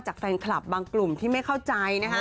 จากแฟนคลับบางกลุ่มที่ไม่เข้าใจนะฮะ